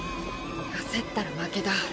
焦ったら負けだ。